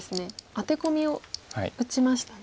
アテコミを打ちましたね。